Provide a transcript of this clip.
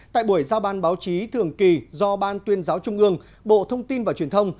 tại buổi giao ban báo chí thường kỳ do ban tuyên giáo trung ương bộ thông tin và truyền thông